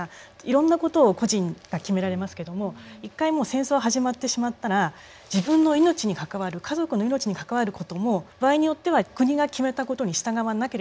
いろんなことを個人が決められますけども一回もう戦争始まってしまったら自分の命に関わる家族の命に関わることも場合によっては国が決めたことに従わなければいけない。